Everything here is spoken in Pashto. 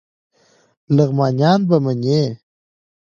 لغمانیان به منی